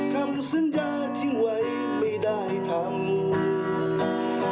คำสัญญาทิ้งไว้ไม่ได้ทำ